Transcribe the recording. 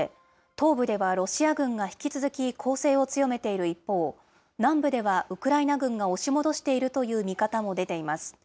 東部ではロシア軍が引き続き攻勢を強めている一方、南部ではウクライナ軍が押し戻しているという見方も出ています。